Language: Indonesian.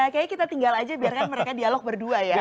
kayaknya kita tinggal aja biarkan mereka dialog berdua ya